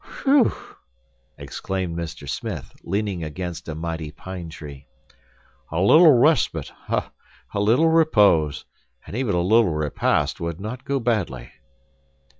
"Whew!" exclaimed Mr. Smith, leaning against a mighty pine tree, "a little respite, a little repose, and even a little repast would not go badly."